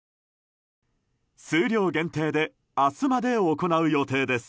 数量限定で明日まで行う予定です。